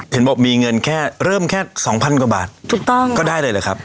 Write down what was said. เห็นบอกมีเงินแค่เริ่มแค่สองพันกว่าบาทถูกต้องก็ได้เลยเหรอครับ